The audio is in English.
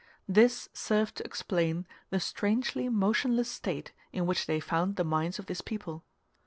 This served to explain the strangely motionless state in which they found the minds of this people.